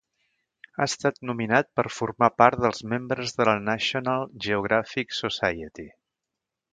He estat nominat per formar part dels membres de la National Geographic Society.